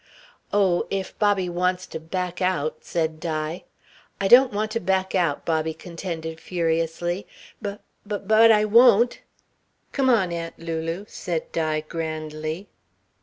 "Oh, if Bobby wants to back out " said Di. "I don't want to back out," Bobby contended furiously, "b b but I won't " "Come on, Aunt Lulu," said Di grandly.